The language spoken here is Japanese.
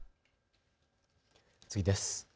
次です。